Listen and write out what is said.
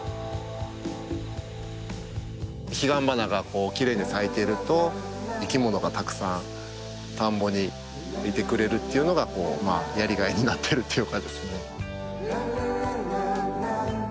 ヒガンバナがきれいに咲いていると生き物がたくさん田んぼにいてくれるっていうのがやりがいになってるっていう。